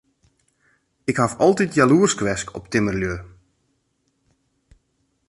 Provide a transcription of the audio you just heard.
Ik haw altyd jaloersk west op timmerlju.